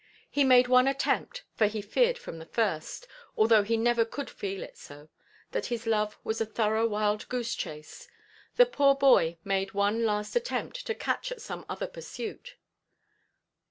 He made one attempt—for he feared from the first, although he never could feel it so, that his love was a thorough wild–goose chase—the poor boy made one last attempt to catch at some other pursuit.